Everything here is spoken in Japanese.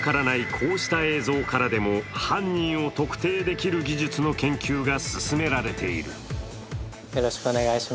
こうした映像からでも犯人を特定できる技術の研究が進められている。